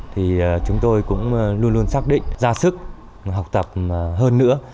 thì chúng tôi cũng luôn luôn xác định ra sức học tập hơn nữa